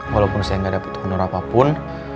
walaupun saya gak ada penuh honor apapun